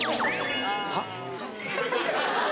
はっ？